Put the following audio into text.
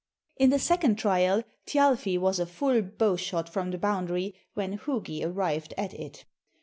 In the second trial, Thjalfi was a full bow shot from the boundary when Hugi arrived at it.